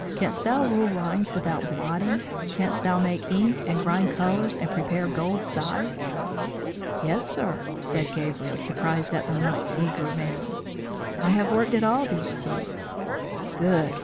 Canst thou rule lines without blotting? Canst thou make ink and grind colours and prepare gold size?" "Yes, sir," said Gabriel, surprised at the monk's eager manner, "I have worked at all these things." "Good!"